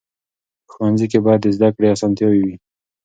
په ښوونځي کې باید د زده کړې اسانتیاوې وي.